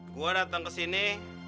gua dateng kesini